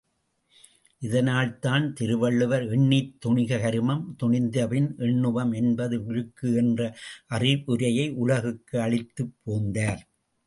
இதனால்தான் திருவள்ளுவர் எண்ணித் துணிக கருமம் துணிந்தபின் எண்ணுவம் என்பது இழுக்கு என்ற அறிவுரையை உலகுக்கு அளித்துப் போந்தார்.